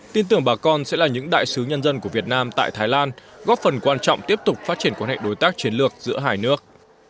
tin tưởng bà con sẽ là những đại sứ nhân dân của việt nam tại thái lan góp phần quan trọng tiếp tục phát triển quan hệ đối tác chiến lược giữa hai nước